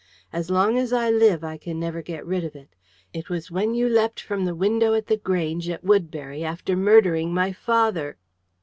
As long as I live, I can never get rid of it. It was when you leapt from the window at The Grange, at Woodbury, after murdering my father!"